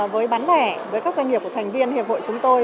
với bán lẻ với các doanh nghiệp của thành viên hiệp hội chúng tôi